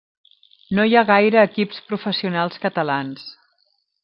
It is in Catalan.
No hi ha gaire equips professionals catalans.